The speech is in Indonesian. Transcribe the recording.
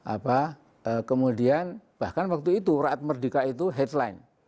apa kemudian bahkan waktu itu raat merdeka itu headline